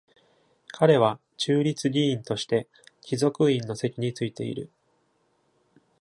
彼は中立議員として貴族院の席についている。